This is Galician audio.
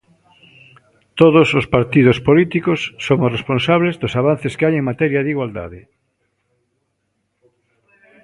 Todos os partidos políticos somos responsables dos avances que hai en materia de igualdade.